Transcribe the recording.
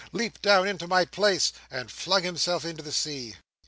Leap down into my place!' and flung himself in the sea!"